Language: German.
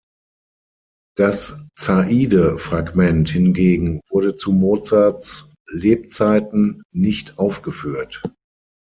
Das "Zaide"-Fragment hingegen wurde zu Mozarts Lebzeiten nicht aufgeführt.